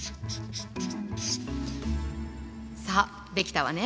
さあできたわね。